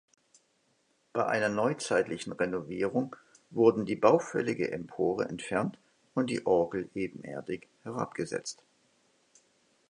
Bei einer neuzeitlichen Renovierung wurden die baufällige Empore entfernt und die Orgel ebenerdig herabgesetzt.